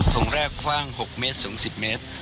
งแรกคว่าง๖เมตรสูง๑๐เมตร